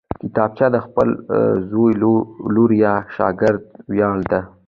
کتابچه د خپل زوی، لور یا شاګرد ویاړ ده